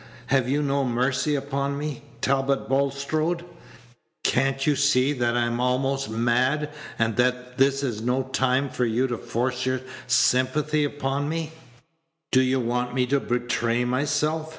Have you no mercy upon me, Talbot Bulstrode? Can't you see that I'm almost mad, and that this is no time for you to force your sympathy upon me? Do you want me to betray myself?